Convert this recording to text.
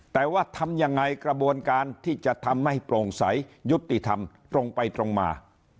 แต่ว่าทำยังไงกระบวนการที่จะทำให้โปร่งใสยุติธรรมตรงไปตรงมา